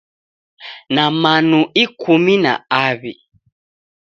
Na manu ikumi na aw'i.